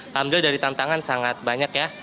alhamdulillah dari tantangan sangat banyak ya